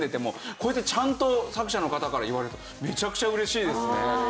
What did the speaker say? こうやってちゃんと作者の方から言われるとめちゃくちゃ嬉しいですね。